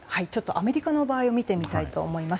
アメリカの場合を見てみたいと思います。